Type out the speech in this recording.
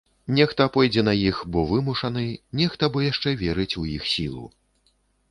Нехта пойдзе на іх бо вымушаны, нехта бо яшчэ верыць у іх сілу.